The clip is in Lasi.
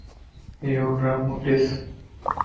ايو ڊرامو ڏس